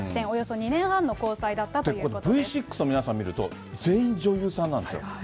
およそ２年半の交際だったというＶ６の皆さん見ると、全員、女優さんなんですよ。